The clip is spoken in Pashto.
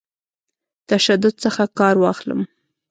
تشدد څخه کار واخلم.